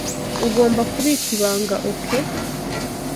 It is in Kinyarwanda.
Ugomba kubika ibanga, OK?